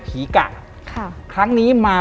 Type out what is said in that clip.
กะค่ะครั้งนี้มา